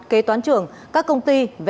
kế toán trưởng các công ty về hành vi